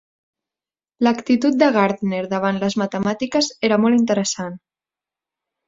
L'actitud de Gardner davant les matemàtiques era molt interessant.